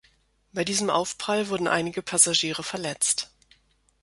Bei diesem Aufprall wurden einige Passagiere verletzt.